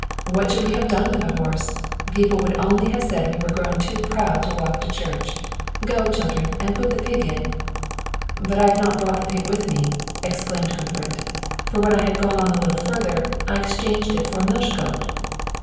What should we have done with a horse? People would only have said we were grown too proud to walk to church. Go, children, and put the pig in." "But I have not brought the pig with me," exclaimed Gudbrand; "for when I had gone a little further on, I exchanged it for a milch goat."